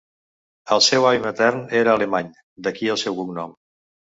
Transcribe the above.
El seu avi matern era alemany, d'aquí el seu cognom.